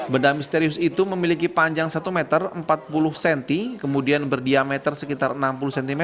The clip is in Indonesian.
benda misterius itu memiliki panjang satu meter empat puluh cm kemudian berdiameter sekitar enam puluh cm